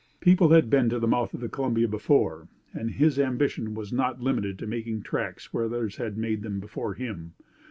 People had been to the mouth of the Columbia before, and his ambition was not limited to making tracks where others had made them before him.